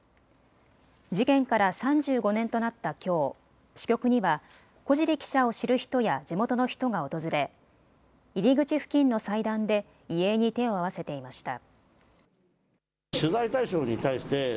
事件から３５年となったきょう、支局には小尻記者を知る人や地元の人が訪れ入り口付近の祭壇で遺影に手を合わせていました。